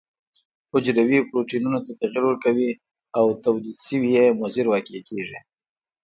حجروي پروتینونو ته تغیر ورکوي او تولید شوي یې مضر واقع کیږي.